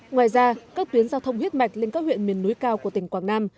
ngoài ra các tuyến giao thông huyết mạch lên các huyện miền núi cao của tỉnh quảng nam